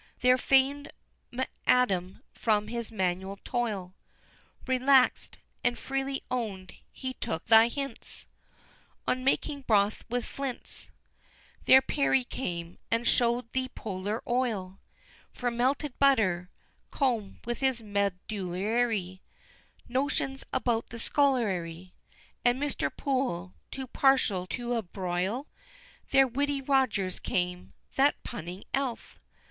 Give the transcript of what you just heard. There fam'd M'Adam from his manual toil Relax'd and freely own'd he took thy hints On "making Broth with Flints" There Parry came, and show'd thee polar oil For melted butter Combe with his medullary Notions about the Skullery, And Mr. Poole, too partial to a broil There witty Rogers came, that punning elf!